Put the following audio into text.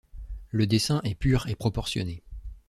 Le dessin est pur et proportionné.